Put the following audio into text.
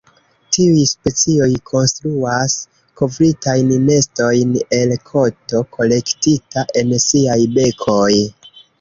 Tiuj specioj konstruas kovritajn nestojn el koto kolektita en siaj bekoj.